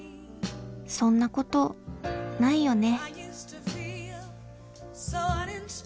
そんなことないよね。